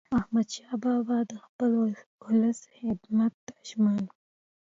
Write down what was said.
احمدشاه بابا د خپل ولس خدمت ته ژمن و.